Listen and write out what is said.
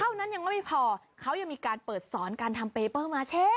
นั้นยังไม่พอเขายังมีการเปิดสอนการทำเปเปอร์มาเช่